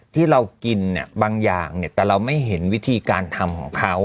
ที่เรากินบางอย่างแต่เราไม่เห็นวิธีการทำของเขา